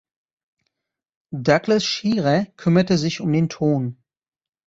Douglas Shearer kümmerte sich um den Ton.